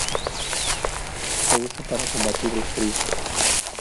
Se usa para combatir el frío.